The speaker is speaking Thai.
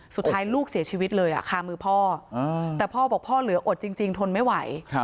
สุดท้ายลูกเสียชีวิตเลยคามือพ่อแต่พ่อบอกพ่อเหลืออดจริงทนไม่ไหว